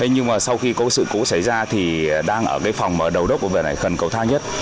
nhưng sau khi có sự cố xảy ra thì đang ở phòng đầu đốc ở phần cầu thang nhất